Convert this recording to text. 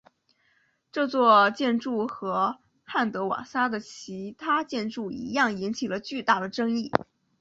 这座建筑和汉德瓦萨的其他建筑一样引起了巨大的争议。